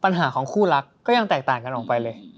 ปัญหาของคู่รักก็ยังแตกต่างกันออกไปเลย